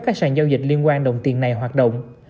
các sàn giao dịch liên quan đồng tiền này hoạt động